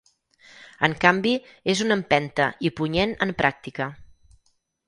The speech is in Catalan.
En canvi, és una empenta i punyent en pràctica.